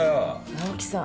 青木さん。